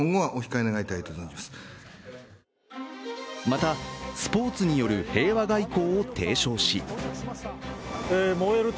またスポーツによる平和外交を提唱し燃える